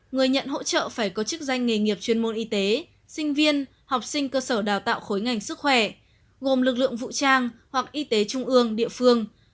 người nhận hỗ trợ phải có chức danh nghề nghiệp chuyên môn y tế sinh viên học sinh cơ sở đào tạo khối ngành sức khỏe gồm lực lượng vũ trang hoặc y tế trung ương địa phương